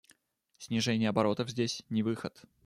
Снижение оборотов здесь — не выход.